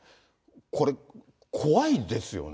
これ、怖いですよね。